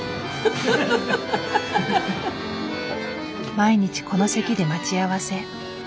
毎日この席で待ち合わせ。